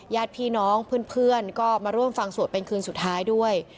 ญาติพี่น้องเพื่อนก็มาร่วมฟังสวดเป็นคืนสุดท้ายด้วย